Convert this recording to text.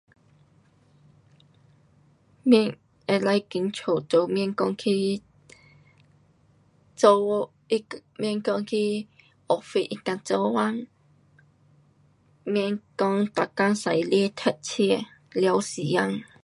免，可以在家做，免讲去，做，免讲去 office 能够做工。免讲每天驾车塞车，完时间。